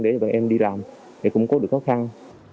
để cho bọn em đi làm để củng cố được khó khăn